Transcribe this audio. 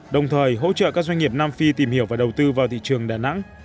đồng thời hỗ trợ các doanh nghiệp nam phi tìm hiểu và đầu tư vào thị trường đà nẵng